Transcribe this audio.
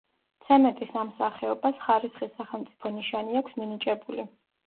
ცემენტის ამ სახეობას ხარისხის სახელმწიფო ნიშანი აქვს მინიჭებული.